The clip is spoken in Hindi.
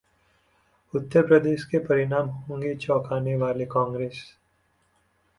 उत्तर प्रदेश के परिणाम होंगे चौंकाने वाले: कांग्रेस